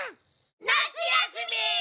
夏休み！